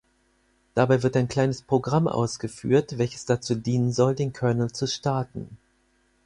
Dabei wird ein kleines Programm ausgeführt, welches dazu dienen soll, den Kernel zu starten.